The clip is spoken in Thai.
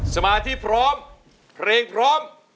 สมาธิพร้อมเพลงพร้อม